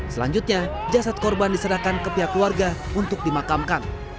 selanjutnya jasad korban diserahkan ke pihak keluarga untuk dimakamkan